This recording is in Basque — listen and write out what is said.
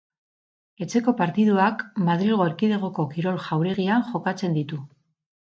Etxeko partiduak Madrilgo Erkidegoko Kirol Jauregian jokatzen ditu.